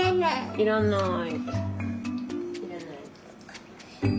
いらない？